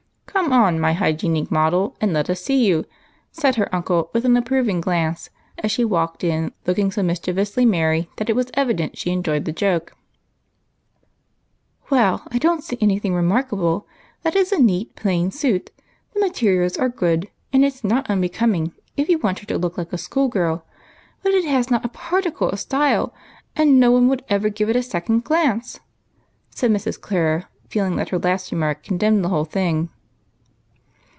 " Come on, my hygienic model, and let us see you," said her uncle, with an approving glance, as she walked in looking so mischievously merry, that it was evident she enjoyed the joke. 212 EIGHT COUSINS. " Well, I don't see any thing remarkable. That is a neat, plain suit ; the materials are good, and it 's not unbecoming, if you want her to look like a little school girl ; but it has not a jjarticle of style, and no one would ever give it a second glance," said Mrs. Clara, feeling that her last remark condemned the whole thing.